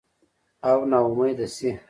او نا امیده شي